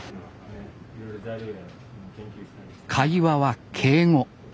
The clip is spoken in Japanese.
会話は敬語。